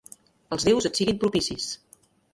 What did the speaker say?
Els déus et siguin propicis.